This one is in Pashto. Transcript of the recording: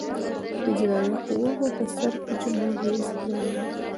د اجرائیه قوې په سر کې جمهور رئیس ځای لري.